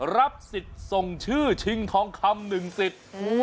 รับสิทธิ์ส่งชื่อชิงทองคำหนึ่งสิทธิ์